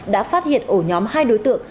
đã phát hiện ổ nhóm hai đối tượng